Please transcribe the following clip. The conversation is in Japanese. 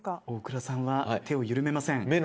大倉さんは手を緩めません。